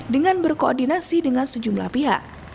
dengan berkoordinasi dengan sejumlah pihak